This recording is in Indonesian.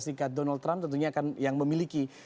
serikat donald trump tentunya akan yang memiliki